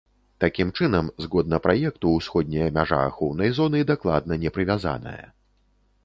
Такім чынам, згодна праекту ўсходняя мяжа ахоўнай зоны дакладна не прывязаная.